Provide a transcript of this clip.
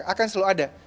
akan selalu ada